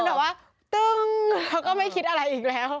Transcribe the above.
มันเรียบออกแบบว่าตึ้งแล้วก็ไม่คิดอะไรอีกแล้ว